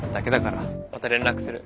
また連絡する。